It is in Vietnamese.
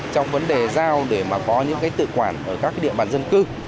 trong vấn đề giao để mà có những cái tự quản ở các địa bàn dân cư